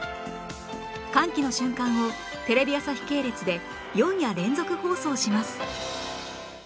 歓喜の瞬間をテレビ朝日系列で４夜連続放送します